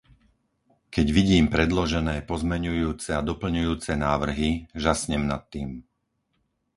Keď vidím predložené pozmeňujúce a doplňujúce návrhy, žasnem nad tým.